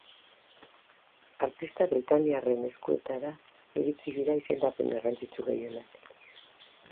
Artista britainiarren eskuetara iritsi dira izendapen garrantzitsu gehienak.